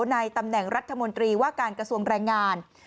ในตำแหน่งรัฐมนตรีว่าการกระทรวงแรงงาน